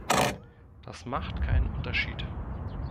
Das macht keinen Unterschied.